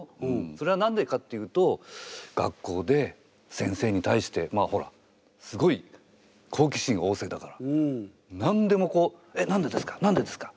それは何でかっていうと学校で先生に対してまあほらすごい好奇心旺盛だから何でもこう「えっ何でですか？